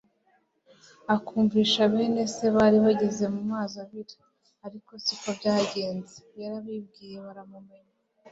akumvisha bene se bari bageze mu mazi abira. ariko siko byagenze, yarabibwiye baramumenya